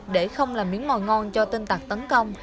để không làm miếng mòi ngon cho tinh tặc tấn công